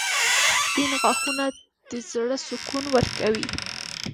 • سپین غاښونه د زړه سکون ورکوي.